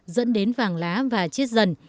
dẫn đến vàng lá và chết dần